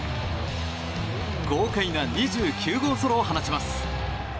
豪快な２９号ソロを放ちます。